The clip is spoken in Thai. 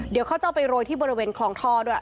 เดี๋ยวเขาจะเอาไปโรยที่บริเวณคลองท่อด้วย